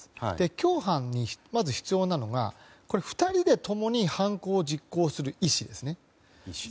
共犯にまず必要なのが２人で共に犯行を実行する意思ですね。